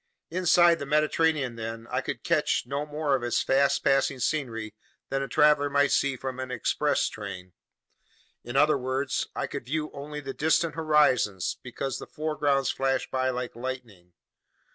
Inside the Mediterranean, then, I could catch no more of its fast passing scenery than a traveler might see from an express train; in other words, I could view only the distant horizons because the foregrounds flashed by like lightning.